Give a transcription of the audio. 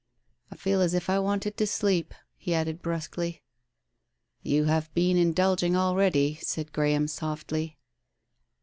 ... I feel as if I wanted to sleep ..." he added brusquely. "You have been indulging already," said Graham softly.